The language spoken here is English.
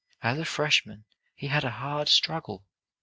As a freshman he had a hard struggle.